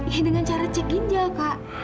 ini dengan cara cek ginjal kak